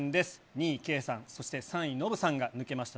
２位圭さん、そして３位ノブさんが抜けました。